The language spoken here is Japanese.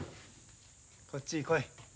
こっちに来い。